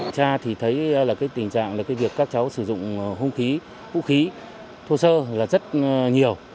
cha thì thấy là cái tình trạng là cái việc các cháu sử dụng hung khí vũ khí thô sơ là rất nhiều